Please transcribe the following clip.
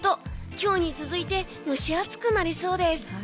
今日に続いて蒸し暑くなりそうです。